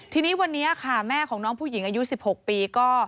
ทีนี้วันนี้ค่ะแม่ของน้องผู้หญิงอายุ๑๖ปีก็